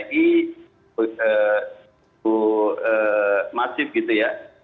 jadi itu masih gitu ya